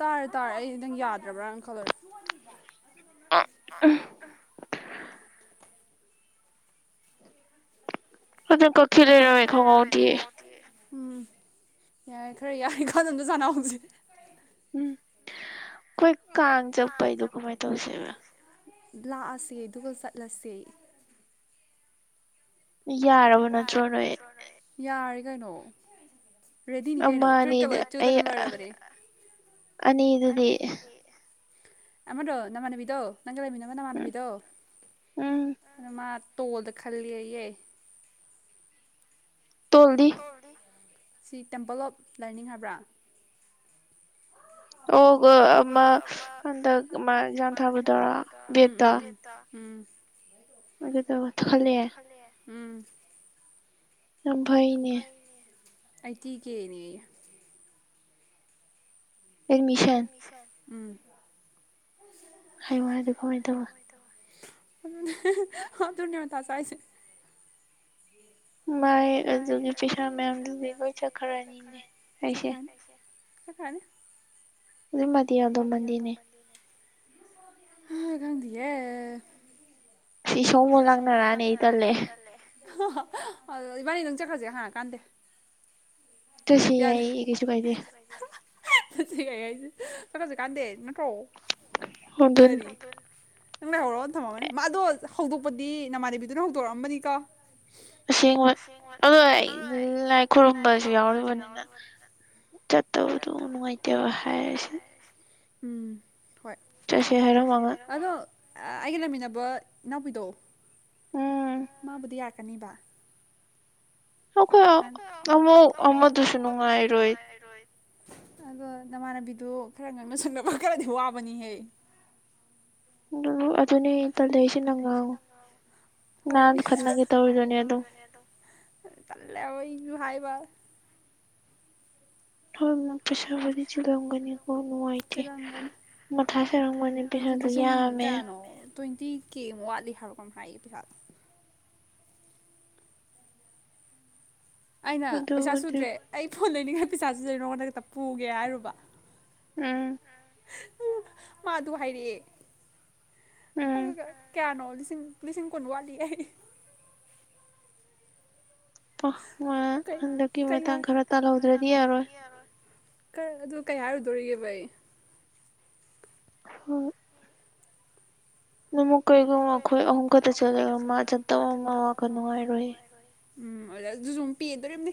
ꯇꯥꯔꯦ ꯇꯥꯔꯦ ꯑꯩ ꯅꯪ ꯌꯥꯗ꯭ꯔꯕ꯭ꯔꯅ ꯈꯜꯂꯨꯔꯦ [unintelligible] ꯑꯗꯨ ꯑꯗꯨ ꯀꯈ ꯂꯩꯔꯃꯦ ꯈꯉꯎꯗꯤꯌꯦ ꯎꯝ ꯌꯥꯔꯦ ꯈꯔ ꯌꯥꯔꯦꯀꯣꯗꯣꯝꯗ ꯁꯥꯥꯟꯅꯥꯍꯧꯁꯦ ꯎꯝ ꯀꯣꯏ ꯀꯥꯟ ꯆꯄꯥꯏꯗꯨ ꯀꯃꯥꯏ ꯇꯧꯁꯦꯕ ꯂꯥꯛꯑꯁꯦ ꯑꯗꯨꯒ ꯆꯠꯂꯁꯦ ꯌꯥꯔꯕ ꯅꯠꯇꯔꯣꯏ ꯀꯩꯅꯣ ꯔꯦꯗꯤꯅꯤ ꯀꯩꯅꯣ ꯐꯔ ꯀꯂ ꯆꯧꯗꯅ ꯂꯔꯕꯔꯦ ꯑꯃꯃꯗꯣ ꯅꯃꯥꯟꯅꯕꯤꯗꯣ ꯅꯪꯒ ꯂꯩꯃꯤꯅꯕ ꯅꯃꯥꯟꯅꯕꯤꯗꯣ ꯇꯣꯜꯗ ꯈꯦ ꯑꯏꯌꯦ ꯁꯤ ꯇꯦꯝꯄꯜ ꯑꯣꯐ ꯂꯔꯅꯤꯡ ꯍꯥꯏꯕ꯭ꯔꯥ ꯑꯣ ꯑꯃ ꯍꯟꯗꯛ ꯑꯃ ꯟꯖꯌꯥꯟ ꯊꯥꯕꯗꯔꯥ ꯕꯦꯠꯇ ꯎꯝ ꯑꯣꯗꯗꯣꯠꯇ ꯈꯂꯦ ꯎꯝ ꯑꯐꯥꯏꯅꯦ ꯑꯇ ꯀꯅꯦ ꯑꯦꯗꯃꯤꯁꯟ ꯎꯝ ꯍꯥꯏꯡ ꯍꯥꯏ ꯑꯗꯨ ꯀꯃꯥꯏꯅ ꯇꯧꯕ ꯑ ꯇꯅꯤ ꯃ ꯊꯥꯁ ꯍꯥꯏꯥꯏꯁ ꯃꯥꯏ ꯑꯗꯨꯒꯤ ꯄꯩꯁꯥ ꯃꯌꯥꯝꯗꯨꯗꯤ ꯂꯣꯏ ꯆꯠꯈ꯭ꯔꯅꯤꯅꯦ ꯑꯩꯁꯦ ꯀꯀꯥꯏꯅꯤ ꯑꯗꯨꯃꯗꯤ ꯌꯥꯎꯗꯣ ꯃꯗꯤꯅꯦ ꯑ ꯈꯪꯗꯤꯌꯦ ꯁꯤ ꯁꯧꯃꯎ ꯂꯥꯛꯅꯥꯅꯤ ꯏꯇꯥ ꯂꯩ ꯑꯗꯨ ꯏꯕꯥꯅꯤ ꯅꯪ ꯆꯠꯈ꯭ꯔꯁꯦ ꯍꯥꯟꯉꯛ ꯀꯥꯟꯗꯦ ꯌꯥ ꯀꯩ ꯍꯥꯏꯁꯦ ꯆꯁꯨ ꯀꯥꯟꯗꯦ ꯅꯠꯇ꯭ꯔꯣ ꯀꯔꯤ ꯅꯪ ꯂꯩꯍꯧꯔꯛꯑꯣꯅ ꯊꯝꯃꯃꯅꯤ ꯃꯥ ꯑꯗꯣ ꯍꯧꯗꯣꯛꯄꯗꯤ ꯅꯃꯥꯟꯗꯦꯕꯤꯗꯨꯅ ꯍꯧꯗꯣꯔꯛꯑꯝꯕꯅꯤꯀꯣ ꯑꯁꯦꯡꯕ ꯑꯗꯣ ꯑꯩ ꯂꯥꯏ ꯈꯨꯔꯨꯝꯕꯁꯨ ꯌꯥꯎꯨꯔꯤꯕꯅꯤꯅ ꯆꯠꯠꯇꯕꯨ ꯅꯨꯡꯉꯥꯏꯇꯦꯕ ꯍꯥꯏꯁ ꯎꯝ ꯍꯣꯏ ꯑꯗꯣ ꯑꯩꯒ ꯂꯩꯃꯤꯟꯅꯕ ꯏꯅꯥꯎꯄꯤꯗꯣ ꯎꯝ ꯃꯥꯕꯨꯗꯤ ꯌꯥꯛꯀꯅꯤꯕ ꯑꯩꯈꯣꯏ ꯑꯃ ꯑꯃꯗꯨꯁꯨ ꯅꯨꯡꯉꯥꯏꯔꯣꯏ ꯑꯗꯣ ꯅꯃꯥꯟꯅꯕꯤꯗꯨ ꯈꯔ ꯉꯪꯅ ꯁꯪꯅꯕ ꯈꯔꯗꯤ ꯋꯥꯕꯅꯤꯍꯦ ꯎꯝ ꯎꯝ ꯑꯗꯨꯅꯤ ꯏꯇꯔꯗꯁꯤ ꯅꯪꯉ ꯅ ꯑꯗꯨ ꯈꯠꯅꯥꯒꯤ ꯇꯧꯔ ꯅꯌꯥꯗ ꯇꯂ ꯑꯣꯏ ꯍꯥꯏꯥꯏꯕ ꯍ ꯄꯁꯗꯤꯒꯅꯤ ꯀꯅꯨꯡ ꯋꯥ ꯏꯇꯦ ꯃꯊꯥ ꯁꯔꯪꯕ ꯅꯨꯄꯤꯁꯨ ꯑꯗꯨ ꯌꯥꯝꯃꯦ ꯇ꯭ꯋꯦꯟꯇꯤ ꯀꯦ ꯑꯃꯨꯛ ꯋꯥꯠꯂꯤ ꯍꯥꯏꯔꯛꯄ ꯍꯥꯏꯌꯦ ꯄꯩꯁꯥꯗꯣ ꯑꯩꯅ ꯄꯩꯁꯥ ꯁꯨꯗ꯭ꯔꯦ ꯑꯩ ꯐꯣꯟ ꯂꯩꯅꯤꯡꯉꯥꯏ ꯄꯩꯁꯥ ꯆꯨꯗꯔꯤ ꯅꯉ ꯍꯟꯗꯛꯇ ꯄꯨꯒꯦ ꯍꯥꯏꯔꯨꯕ ꯎꯝ ꯃꯥ ꯑꯗꯨ ꯍꯥꯏꯔꯛꯑꯦ ꯑꯗꯨꯒ ꯀꯌꯥꯅꯣ ꯂꯤꯁꯤꯡ ꯂꯤꯁꯤꯡ ꯀꯨꯅꯋꯥꯂꯤ ꯍꯥꯏ ꯑ ꯃꯥ ꯍꯟꯗꯛꯀꯤ ꯃꯇꯥꯡ ꯈꯔ ꯇꯥꯜꯍꯧꯗ꯭ꯔꯗꯤ ꯌꯥꯔꯣꯏ ꯑꯗꯨ ꯀꯩ ꯍꯥꯏꯔꯨꯗꯣꯔꯤꯒꯦ ꯚ ꯑꯩ ꯍꯣꯏ ꯅꯨꯛ ꯀꯔꯤꯒꯨꯝꯕ ꯑꯩꯈꯣꯏ ꯑꯍꯨꯝ ꯈꯛꯇ ꯆꯠꯂꯒ ꯃꯥ ꯆꯈ ꯅꯨꯡꯉꯥꯏꯔꯣꯏ ꯎꯝ ꯑꯗꯨꯗ ꯑꯗꯨꯁꯨꯨꯝ ꯄꯤꯗꯣꯝꯅꯦ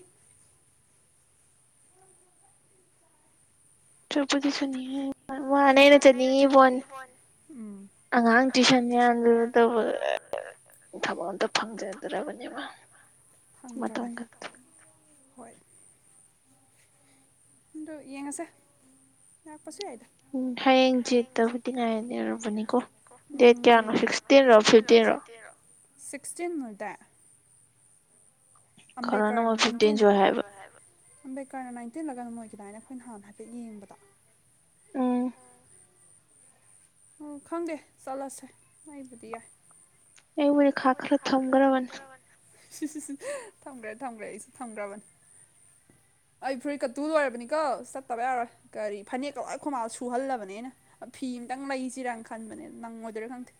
ꯄꯨꯗꯤꯁꯨꯅꯤ ꯋꯥꯅꯅ ꯆꯅꯤ ꯋꯥꯣꯟ ꯑꯉꯥꯡ ꯇꯨꯁꯟ ꯌꯥꯝꯗꯧꯕ ꯊꯕꯛ ꯑꯇ ꯐꯪꯖꯗ꯭ꯔꯕꯅꯦꯕ ꯐꯪꯗ꯭ꯔꯕꯅꯤ ꯍꯣꯏ ꯑꯗꯣ ꯌꯦꯡꯉꯁꯦ ꯂꯥꯛꯄꯁꯨ ꯌꯥꯏꯗꯣ ꯎꯝ ꯍꯌꯦꯡ ꯆꯠꯇꯕꯨꯗꯤ ꯉꯥꯏꯗꯔꯨꯕꯅꯤꯀꯣ ꯗꯦꯠ ꯀꯌꯥꯅꯣ ꯁꯤꯛꯁꯇꯤꯟꯔꯣ ꯐꯤꯞꯇꯤꯟꯔꯣ ꯁꯤꯛꯁꯇꯤꯟ ꯃꯤꯇ ꯑꯝꯕꯦꯀꯔꯟꯇ ꯑꯝꯕꯩꯀꯔ ꯅꯥꯏꯟꯇꯤꯟꯂꯒ ꯃꯣꯏꯒꯤꯃꯥꯏꯅ ꯑꯩꯈꯣꯏ ꯅꯍꯥꯟ ꯍꯥꯏꯐꯦꯠ ꯌꯦꯡꯕꯗꯣ ꯎ ꯈꯪꯗꯦ ꯆꯠꯂꯁꯦ ꯑꯩꯕꯨꯗꯤ ꯌꯥꯏ ꯑꯩ ꯃ ꯈꯥ ꯈꯔ ꯊꯝꯒ꯭ꯔ ꯃꯥꯅꯤ ꯊꯝꯒ꯭ꯔꯦ ꯊꯝꯒ꯭ꯔꯦ ꯑꯩꯁꯨ ꯊꯝꯒ꯭ꯔꯕꯅꯤ ꯑꯩ ꯐꯨꯔꯤꯠ ꯀꯠꯇꯨ ꯂꯣꯏꯔꯕꯅꯤꯀꯣ ꯆꯠꯇꯕ ꯌꯥꯔꯣꯏ ꯀꯔꯤ ꯐꯅꯦꯛꯀ ꯂꯋꯥꯏ ꯈꯣꯡꯝꯃꯥꯂ ꯁꯨꯍꯜꯂꯕꯅꯦꯅ ꯐꯤ ꯈꯤꯇꯪ ꯂꯩꯁꯤꯔꯥꯡ ꯈꯟꯕꯅꯦ ꯅꯪꯉꯗꯣꯏꯔꯥ ꯈꯪꯗꯦ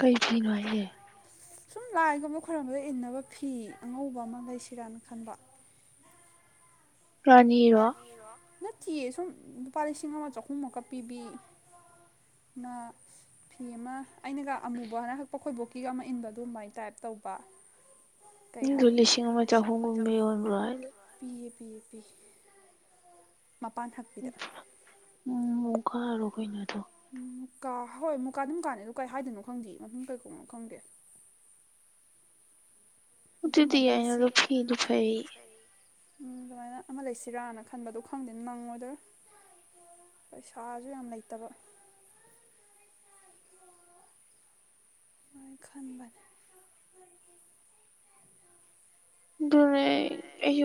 ꯀꯩ ꯐꯤꯅꯣ ꯍꯥꯏꯌꯦꯦ ꯁꯨꯝ ꯂꯥꯏꯒꯨꯝꯕ ꯈꯣꯏꯔꯝꯕꯗ ꯏꯟꯅꯕ ꯐꯤ ꯑꯉꯧꯕ ꯑꯃ ꯂꯩꯁꯤꯔꯥꯅ ꯈꯟꯕ ꯅꯠꯇꯌꯦ ꯁꯨꯝ ꯂꯨꯄꯥ ꯂꯤꯁꯤꯡ ꯑꯃ ꯆꯍꯨꯝꯃꯨꯛꯀ ꯄꯤꯕꯤ ꯃ ꯐꯤ ꯑꯃ ꯑꯩꯅꯒ ꯑꯃꯨꯕ ꯍ ꯍꯛꯄ ꯈꯣꯏꯕꯣꯛꯀꯤꯒ ꯑꯃ ꯏꯟꯕ ꯑꯗꯨꯃꯥꯏꯅ ꯇꯥꯏꯞ ꯇꯧꯕ ꯎꯝꯁꯤꯁꯤꯡ ꯑꯃꯥ ꯆꯄꯣꯡꯒꯨꯝꯕꯤ ꯑꯣꯏꯕꯣ ꯄꯕꯤ ꯎꯝ ꯑꯣꯨ ꯈꯥꯔꯣ ꯀꯣꯏ ꯅ ꯊ ꯎ ꯃꯨꯀꯥ ꯍꯣꯏ ꯃꯨꯀꯥꯗꯨ ꯃꯨꯀꯥꯅꯤ ꯑꯗꯨ ꯀꯩ ꯍꯥꯏꯗꯣꯏꯅꯣ ꯈꯪꯗꯦ ꯃ ꯀꯩꯀꯧꯅꯣ ꯈꯪꯗꯦ ꯗꯤꯗꯤ ꯌꯥꯏꯅ ꯑꯗꯨ ꯐꯗꯨꯐꯥꯏ ꯎꯝ ꯑꯗꯨꯃꯥꯏꯅ ꯑꯃ ꯂꯩꯁꯤꯔꯥꯅ ꯈꯟꯕꯗꯣ ꯈꯪꯗꯦꯅ ꯅꯪꯉꯣ ꯑꯣꯗꯔ ꯄꯩꯁꯥꯁꯨ ꯌꯥꯝ ꯂꯩꯇꯕ ꯈꯟꯕꯅꯦ ꯑꯗꯨ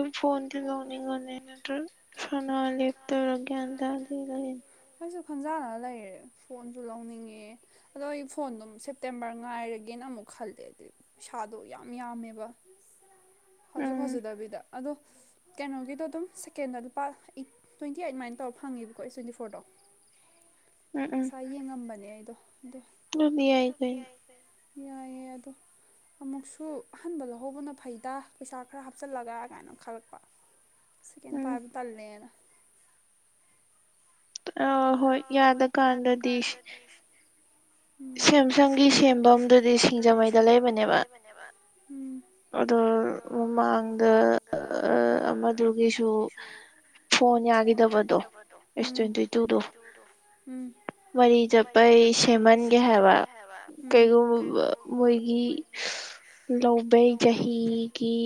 ꯏ ꯐꯣꯟꯗꯤ ꯂꯅ ꯀꯅꯦꯠꯇ ꯁꯅ ꯂꯦꯞꯇ ꯂꯒꯦ ꯍꯗ ꯍꯧꯗꯤ ꯂꯩ ꯈꯟꯖꯥꯟꯅ ꯂꯩꯔꯦ ꯐꯣꯟꯁꯨ ꯂꯧꯅꯤꯡꯉꯦ ꯑꯗꯣ ꯑꯩ ꯐꯣꯟꯗꯨꯝ ꯁꯦꯞꯇꯦꯝꯕꯔ ꯉꯥꯏꯔꯒꯦꯅ ꯑꯃꯨꯛ ꯈꯜꯂꯦ ꯍꯥꯏꯗꯤ ꯄꯩꯁꯥꯗꯣ ꯌꯥꯝ ꯌꯥꯝꯃꯦꯕ ꯐꯁꯨ ꯐꯖꯗꯕꯤꯗ ꯑꯗꯣ ꯀꯩꯅꯣꯒꯤꯗꯣ ꯑꯗꯨꯝ ꯁꯦꯀꯦꯟꯗ ꯂꯨꯄꯥ ꯑꯩꯠ ꯇ꯭ꯋꯦꯟꯇꯤ ꯑꯩꯠ ꯑꯗꯨꯃꯥꯏꯅ ꯇꯧꯔ ꯐꯪꯉꯦꯕꯀꯣ ꯑꯦ ꯇ꯭ꯋꯦꯟꯇꯤ ꯐꯣꯔꯗꯣ ꯉꯁꯥꯏ ꯌꯦꯡ ꯉꯝꯕꯅꯦ ꯑꯩꯗꯣ ꯑꯗꯣ ꯌꯥꯏꯌꯦꯦ ꯑꯗꯣ ꯑꯃꯨꯛꯁꯨ ꯑꯍꯟꯕ ꯂꯧꯍꯧꯕꯅ ꯐꯩꯗ ꯄꯩꯁꯥ ꯈꯔ ꯍꯥꯞꯆꯤꯜꯂꯒ ꯀꯥꯏꯅ ꯈꯜꯂꯛꯄ ꯁꯦꯀꯦꯟ ꯇꯥꯏꯝ ꯇꯜꯂꯦꯅ ꯑ ꯍꯣꯏ ꯌꯥꯗꯀꯥꯟꯗꯗꯤ ꯎ ꯁꯦꯝꯁꯪꯒꯤ ꯁꯦꯝꯐꯝꯗꯨꯗꯤ ꯁꯤꯡꯖꯃꯩꯗ ꯂꯩꯕꯅꯦꯕ ꯑꯗꯣ ꯃꯃꯗ ꯃꯗꯨꯒꯤꯁꯨ ꯐꯣꯟ ꯌꯥꯈꯤꯗꯕꯗꯣ ꯑꯦꯁ ꯇ꯭ꯋꯦꯟꯇꯤ ꯣꯝ ꯃ ꯆꯠꯄꯩ ꯁꯦꯝꯍꯟꯒꯦ ꯍꯥꯏꯕ ꯀꯩꯒꯨꯝꯕ ꯃꯣꯏꯒꯤ ꯂꯧꯕ ꯆꯍꯤꯒꯤ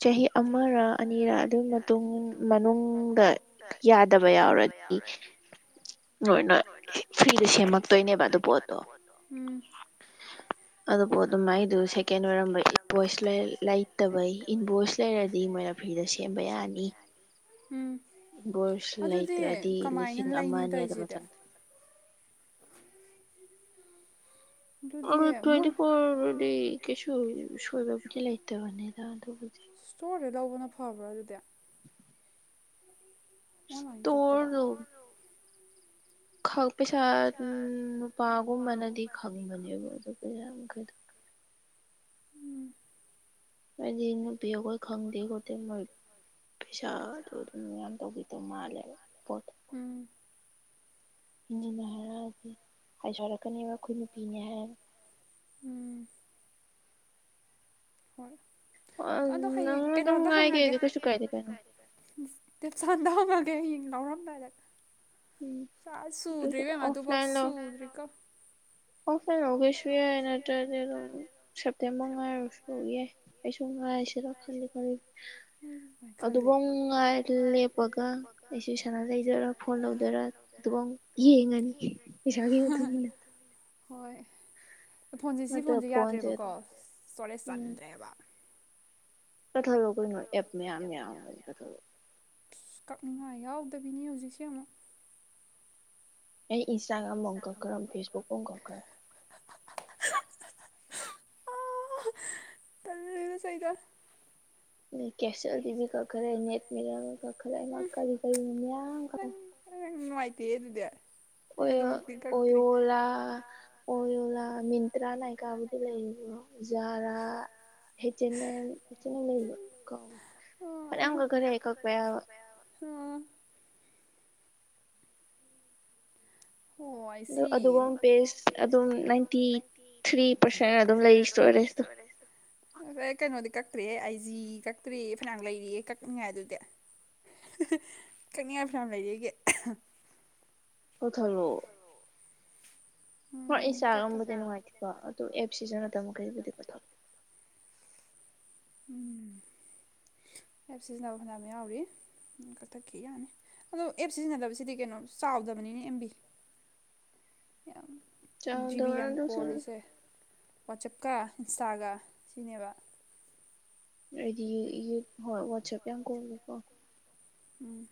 ꯆꯍꯤ ꯑꯃꯔ ꯑꯅꯤꯔ ꯑꯗꯨꯒꯤ ꯃꯇꯨꯡ ꯃꯅꯨꯡꯗ ꯌꯥꯗꯕ ꯌꯥꯎꯔꯣꯏ ꯌꯥꯎꯔꯗꯤ ꯅꯣꯏ ꯅꯣꯏ ꯐ꯭ꯔꯤꯗ ꯁꯦꯝꯃꯛꯇꯣꯏꯅꯦꯕ ꯑꯗꯨ ꯄꯣꯠꯇꯣ ꯎꯝ ꯑꯗꯨꯕꯨ ꯑꯗꯨꯝꯥꯏꯗꯨ ꯁꯦꯀꯦꯟ ꯑꯣꯏꯔꯝꯕ ꯏ ꯚꯣꯏꯁ ꯂꯩꯇꯕꯩ ꯏꯟ ꯚꯣꯏꯁ ꯂꯩꯔꯗꯤ ꯐ꯭ꯔꯤꯗ ꯁꯦꯝꯕ ꯌꯥꯅꯤ ꯎꯝ ꯣꯔꯁ ꯂꯩꯇ꯭ꯔꯗꯤ ꯂꯤꯁꯤꯡ ꯑꯃꯅꯦ ꯑꯗꯨꯃ ꯆꯪꯗꯦ ꯇꯋ ꯐꯣꯔꯗꯤ ꯀꯁꯨ ꯁꯣꯏꯕꯕꯨꯗꯤ ꯂꯇꯕꯅꯤ ꯏꯁꯇꯣꯔꯗ ꯂꯧꯕꯅ ꯐꯕ꯭ꯔꯥ ꯑꯗꯨꯗꯤ ꯇꯨ ꯄꯩꯁꯥ ꯅꯨꯄꯥꯒꯨꯝꯕꯅꯗꯤ ꯈꯪꯕꯅꯦꯕ ꯑꯗꯨ ꯄꯩꯁꯥꯈꯩꯗꯣ ꯃꯅ ꯄꯑꯀ ꯈꯪꯗ ꯀ ꯃꯣꯏ ꯄꯩꯁꯥꯗꯣ ꯑꯗꯨꯝ ꯌꯥꯝ ꯇꯧꯕꯤꯗꯧ ꯃꯥꯜꯂꯦꯕ ꯄꯣꯠꯇ [inaudible] ꯏꯅꯤ ꯂ ꯍꯥꯏꯔꯕꯁꯤ ꯍꯥꯏꯖꯣꯔꯛꯀꯅꯦꯕ ꯑꯩꯈꯣꯏ ꯅꯨꯄꯤꯅꯦꯍ ꯍꯣꯏ ꯀꯗ ꯍ ꯀꯩꯅꯅ ꯑꯣꯗ ꯍ ꯂꯒꯦ ꯒꯗ ꯂꯔꯗꯔ ꯁꯥ ꯁꯨꯗꯔꯤꯔꯤꯕꯃꯗꯨꯕꯨ ꯄ ꯁꯨꯗꯔꯤ ꯀ ꯑꯣꯥꯏ ꯍꯧꯒꯁꯨ ꯌꯥ ꯅꯠꯇ ꯑꯗꯨꯝ ꯁꯇ ꯃꯉꯥꯏ ꯌꯥꯁꯨ ꯅꯨꯡꯉꯥꯏꯁꯤꯔ ꯈꯜꯂꯤ ꯈꯜꯂꯤ ꯑꯗꯨꯐ ꯉꯥꯏ ꯂꯦꯞꯄꯒ ꯁꯤ ꯁꯥꯟꯅꯥ ꯂꯩꯗꯣꯏꯔꯥ ꯐꯣꯟ ꯂꯧꯗꯣꯏꯔꯥ ꯑꯗꯨꯐ ꯌꯦꯡꯉꯅꯤ ꯄꯩꯁꯥꯒꯤ ꯃꯇꯨꯡ ꯏꯟꯅ ꯍꯣꯏ ꯐꯣꯟꯁꯦ ꯁꯤ ꯐꯣꯟꯁꯦ ꯌꯥꯗ꯭ꯔꯦꯕꯀꯣ ꯏꯁꯇꯣꯔꯦꯖ ꯆꯟꯗ꯭ꯔꯦꯕ ꯀꯊꯣꯌꯥꯝ ꯌꯥ ꯀꯊ ꯀꯛꯅꯤꯡꯉꯥꯏ ꯌꯥꯎꯗꯕꯤꯅꯤ ꯍꯧꯖꯤꯛꯁꯦ ꯑꯃꯨꯛ ꯑꯩ ꯏꯟꯁꯇꯥꯒ꯭ꯔꯥꯝꯐꯝ ꯀꯛꯈ꯭ꯔ ꯐꯦꯁꯕꯨꯛ ꯐꯥꯎ ꯀꯛꯈ꯭ꯔꯦ ꯂꯩꯅ ꯆꯗ ꯝꯅꯨꯡ ꯦꯗꯗ ꯑꯣ ꯑꯣꯌꯣꯂ ꯑꯣꯌꯣꯂꯥ ꯃꯤꯟꯇ꯭ꯔꯥ ꯂꯀꯕ ꯂꯩ ꯖꯥꯔꯥ ꯍꯇꯅꯦ ꯍꯆꯅ ꯂꯩ ꯀ ꯑꯣꯔ ꯑꯗꯨꯒ ꯄꯦꯁ ꯑꯗꯨꯝ ꯅꯥꯏꯟꯇꯤ ꯊ꯭ꯔꯤ ꯄꯥꯔꯁꯦꯟ ꯑꯗꯨꯝ ꯂꯩ ꯏꯁꯇꯦ ꯌꯥꯦ ꯀꯥꯏꯅꯣꯗꯤ ꯀ ꯀꯛꯇ꯭ꯔꯦ ꯑꯩ ꯀꯛꯇ꯭ꯔꯦ ꯐꯅꯥ ꯂꯩꯔꯤꯌꯦ ꯀꯛꯅꯤꯡꯉꯥꯏ ꯑꯗꯨꯗꯤ ꯀꯪꯅꯤꯡꯉꯥꯏ ꯐꯌꯥꯝ ꯂꯩꯔꯤꯒꯤ ꯑꯣꯊꯔꯣꯑꯣ ꯍꯣꯏ ꯑꯩ ꯆꯥꯒꯕꯨꯗꯤ ꯅꯨꯡꯉꯥꯏꯇꯦꯀꯣ ꯑꯗꯨ ꯑꯦꯞ ꯁꯤꯖꯅꯗꯕ ꯀꯩꯕꯨꯗꯤꯀꯣ [unintelligible] ꯎꯝ ꯑꯦꯞ ꯁꯤꯖꯤꯟꯅꯕ ꯐꯅꯝ ꯌꯥꯎꯔꯤ ꯀꯛꯊꯛꯈꯤ ꯌꯥꯅꯤ ꯑꯗꯣ ꯑꯦꯞ ꯁꯤꯖꯤꯟꯅꯗꯕꯁꯤꯗꯤ ꯀꯩꯅꯣ ꯆꯥꯎꯗꯕꯅꯤꯅꯦ ꯑꯦꯝꯕꯤ ꯌꯥꯝ ꯖꯤꯕꯤ ꯌꯥꯝ ꯀꯣꯜꯂꯤꯁꯦ ꯋꯥꯆꯞꯀ ꯏꯟꯁꯇꯥꯒ ꯁꯤꯅꯦꯕ ꯑꯩꯗꯤ ꯍꯣꯏ ꯋꯥꯠꯆꯦꯞ ꯌꯥꯝ ꯀꯧꯒꯦꯀꯣ ꯎꯝ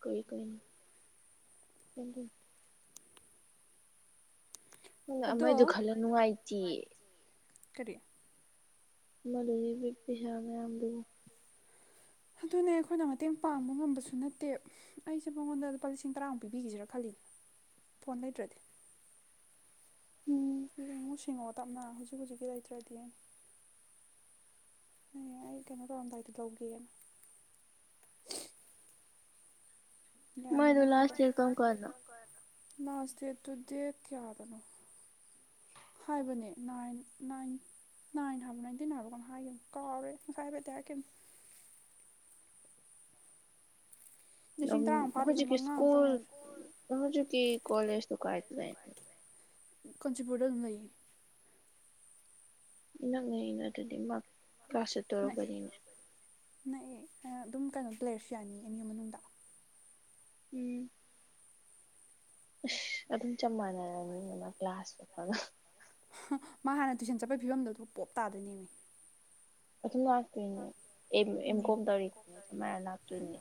ꯀꯣꯏ ꯀꯅꯤ ꯊ ꯎꯪ ꯑꯃꯒꯤꯗꯨ ꯈꯜꯂ ꯅꯨꯡꯉꯥꯏꯇꯦ ꯀꯔꯤ ꯃꯗꯨꯒꯤ ꯄꯤꯁꯥ ꯃꯌꯥꯝꯗ ꯑꯗꯨꯅꯦ ꯑꯩꯈꯣꯏꯅ ꯃꯇꯦꯡ ꯄꯥꯡꯕ ꯉꯝꯕꯁꯨ ꯅꯠꯇꯦ ꯑꯩꯁꯦ ꯃꯉꯣꯟꯗ ꯂꯨꯄꯥ ꯂꯤꯁꯤꯡ ꯇꯔꯥꯃꯨꯛ ꯄꯤꯕꯤꯈꯤꯁꯤꯔꯥ ꯈꯜꯂꯤ ꯐꯣꯟ ꯂꯩꯇ꯭ꯔꯗꯤ ꯌꯦꯡꯉꯨ ꯁꯤꯡꯉꯛꯑꯣ ꯇꯞꯅ ꯍꯧꯖꯤꯛ ꯍꯧꯖꯤꯛꯀꯤ ꯂꯩꯇ꯭ꯔꯗꯤ ꯑꯩ ꯀꯩꯅꯅ ꯇꯝꯗꯥꯏꯗꯤ ꯂꯧꯒꯦ ꯀꯅ ꯌꯥꯏꯗ ꯍꯥꯏ ꯅꯁꯇ ꯇꯨꯗꯦ ꯀꯌꯥꯗꯅꯣ ꯍꯥꯏꯕꯅꯦ ꯅꯥꯏꯟ ꯅꯥꯏꯟ ꯅ ꯏꯅ ꯍꯥꯕꯅꯗꯤꯅꯔ ꯀꯅ ꯍꯥꯏ ꯀꯥꯔꯦ ꯍꯥꯏꯕꯗ ꯍꯥꯏ ꯀ ꯍꯧꯖꯤ ꯀ ꯏꯁꯀꯨꯜ ꯍꯧꯁꯨꯀꯤ ꯀꯣꯂꯦꯖ ꯇ ꯀꯥꯏꯗ ꯂꯩ ꯀꯥꯟꯆꯤꯄꯨꯔꯗ ꯂꯩꯌꯦ ꯏ ꯅꯪꯉꯩꯅ ꯑꯗꯨꯗꯤ ꯃꯥ ꯀ꯭ꯂꯥꯁ ꯆꯠꯇꯧꯔꯛꯄꯅꯤꯅꯦ ꯑꯗꯨꯝ ꯀꯩꯅꯣ ꯄ꯭ꯂꯦꯌꯔꯁꯨ ꯌꯥꯅꯤꯌꯦ ꯑꯅꯤ ꯃꯅꯨꯡꯗ ꯎꯝ ꯑꯗꯨꯝ ꯆꯞ ꯃꯥꯟꯅꯔꯅꯤꯅ ꯀ꯭ꯂ꯭ꯂꯥꯁꯄꯗ ꯃꯥ ꯍꯥꯟꯅ ꯇꯨꯏꯁꯟ ꯆꯠꯄꯒꯤ ꯐꯤꯕꯝꯗꯨ ꯑꯗꯨ ꯄꯣꯞ ꯇꯥꯗꯣꯏꯅꯦꯃꯤ ꯑꯗꯨꯝ ꯂꯥꯛꯇꯣꯏꯅꯦ ꯑ ꯑꯦꯝ ꯀꯣꯝ ꯇꯧꯔꯤꯕꯅꯤ ꯑꯗꯨꯃꯥꯏꯅ ꯂꯥꯛꯇꯣꯏꯅꯦ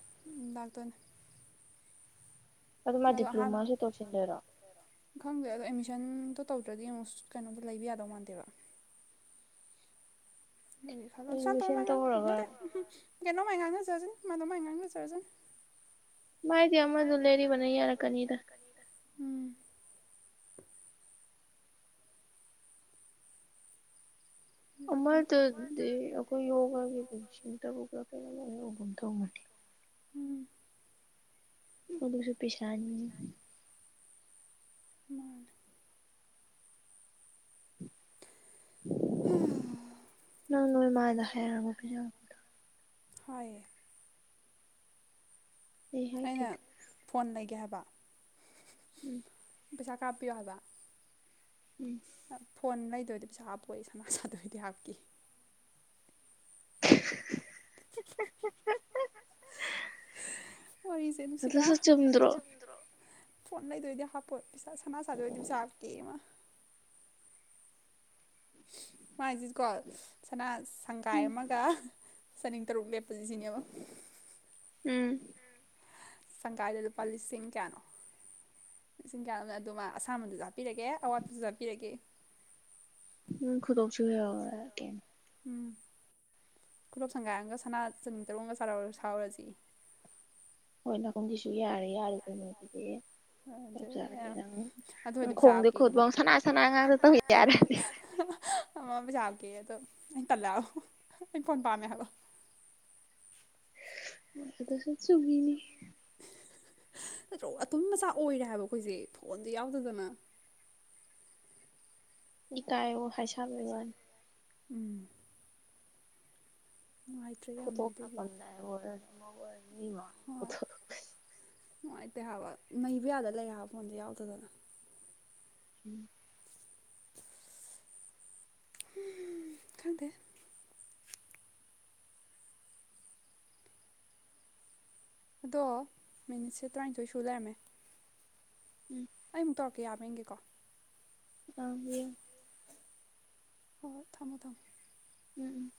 ꯃꯇꯄꯤꯟ ꯑꯗꯣꯍ ꯈꯪꯗ꯭ꯔꯦ ꯑꯗꯣ ꯟꯣ ꯇꯧꯗ꯭ꯔꯗꯤ ꯀꯩꯅꯣꯗꯣ ꯂꯩꯕ ꯌꯥꯗꯧ ꯃꯥꯟꯗꯦꯕ ꯈꯂ ꯁꯥꯟꯇꯣ ꯃꯗ ꯀꯩꯅꯣ ꯃꯉꯒꯥꯒꯅ ꯆꯔꯁꯤ ꯃꯗꯨ ꯃꯒꯥꯡꯅ ꯆꯔꯁꯤꯅꯤ ꯃꯥꯥꯏꯗꯤꯤ ꯑꯃ ꯂꯩꯦꯔꯤ ꯃꯅꯔ ꯀꯅꯤꯗ ꯑꯃꯗꯗꯤ ꯑꯩꯈꯣꯏ ꯌꯣꯒꯥꯒꯤꯇ ꯀꯩꯅꯣꯒ ꯇꯧꯒꯅꯤ ꯎꯝ ꯃꯁꯨ ꯄꯁ ꯄꯁꯥꯅꯤ ꯃꯥꯅ [unintelligible] ꯅꯪ ꯅꯣꯏ ꯃꯥꯥꯏꯗꯥꯏꯔ ꯑꯃ ꯄꯖꯗ ꯍꯣꯏ ꯑꯩꯅ ꯐꯣꯟ ꯂꯩꯒꯦ ꯍꯥꯏꯕ ꯎꯝ ꯄꯩꯁꯥ ꯀꯥꯞꯄꯤꯌꯣ ꯍꯥꯏꯕ ꯎꯝ ꯐꯣꯟ ꯂꯩꯗꯣꯏꯗꯤ ꯄꯩꯁꯥ ꯍꯥꯞꯄꯣ ꯑꯩ ꯁꯅꯥ ꯁꯥꯗꯣꯏꯗꯤ ꯍꯥꯞꯈꯤ [unintelligible] ꯍꯔꯤꯁꯦ ꯅꯨꯡꯁꯤꯔꯥ꯭ꯔꯣ ꯐꯣꯟ ꯂꯩꯗꯣꯏꯗꯤ ꯍꯥꯞꯄꯣꯏ ꯁꯅꯥ ꯁꯗ ꯑꯣꯏꯗꯤ ꯄꯁꯥꯕ ꯀ ꯋꯥ ꯃꯥꯏꯁꯤꯁꯤꯀꯣ ꯁꯅꯥ ꯁꯪꯒꯥꯏ ꯑꯃꯒ ꯆꯅꯤꯡ ꯇꯔꯨꯛ ꯂꯦꯞꯄꯁꯤ ꯁꯤꯅꯦꯕ ꯎꯝ ꯁꯪꯒꯥꯏꯗ ꯂꯨꯄꯥ ꯂꯤꯁꯤꯡ ꯀꯌꯥꯅꯣ ꯂꯤꯁꯤꯡ ꯀꯌꯥꯣꯅ ꯑꯗꯨ ꯃꯥ ꯑꯁꯥꯝꯕꯗꯨ ꯍꯥꯄꯤꯔꯒꯦ ꯑꯋꯥꯠꯄꯁꯨ ꯆꯥꯄꯤꯔꯒꯦ ꯎꯝ ꯈꯗꯞꯁꯨꯗ ꯀ ꯎꯝ ꯈꯨꯂꯞ ꯁꯪꯒꯥꯏ ꯑꯃꯒ ꯁꯅꯥ ꯆꯅꯤ ꯇꯔꯨꯛꯒꯔ ꯁꯥꯥꯎꯔꯁꯤ ꯍꯣꯏ ꯅꯅꯥꯀꯣꯡꯒꯤꯁꯨ ꯌꯥꯔꯦ ꯌꯥꯔꯦ ꯀꯩꯅꯣꯒꯤꯗꯤ ꯑꯗ ꯑꯗꯨꯗ ꯍꯗꯤ ꯄꯖꯥꯕ ꯀ ꯕꯖꯥ ꯀ ꯑ ꯑꯩꯅ ꯇꯂꯒꯣ ꯑꯩ ꯐꯣꯟꯣꯟ ꯄꯥꯃꯦꯦ ꯍꯥꯏꯕꯣ ꯑꯗꯁꯨ ꯆꯨꯒꯤꯅꯤ ꯅꯠꯇ꯭ꯔꯣ ꯑꯗꯨꯨꯝ ꯃꯆꯥ ꯑꯣꯏꯔꯦ ꯍꯥꯏꯕ ꯑꯩꯈꯣꯏꯁꯦ ꯐꯣꯟꯁꯨ ꯌꯥꯎꯗꯗꯅ [unintelligible] ꯏꯀꯥꯏꯑꯣ ꯍꯥꯏꯁꯕ ꯋꯥ ꯎꯝ ꯐꯣꯇꯣ ꯀꯥꯄꯟꯗꯥ ꯐꯣꯇꯣ ꯅꯨꯡꯉꯥꯏꯇꯦ ꯍꯥꯏꯕ ꯅꯩꯕ ꯌꯥꯗ ꯂꯩ ꯍꯥꯏꯕ ꯐꯣꯟꯁꯦ ꯌꯥꯎꯗꯗꯅ ꯎꯝ ꯏ ꯈꯪꯗ ꯑꯗꯣ ꯃꯤꯅꯤꯠꯁꯦ ꯇꯔꯥꯅꯤꯊꯣꯏ ꯁꯨ ꯂꯩꯔꯝꯃꯦ ꯑꯩ ꯑꯃꯨꯛ ꯇꯧꯔꯛꯀꯦ ꯌꯥꯃꯡꯒꯦꯀꯣ ꯑꯕ ꯍꯣꯏ ꯊꯝꯃꯣ ꯊꯝꯃꯣ ꯎꯝ